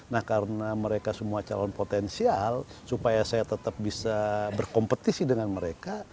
nah karena mereka semua calon potensial supaya saya tetap bisa berkompetisi dengan mereka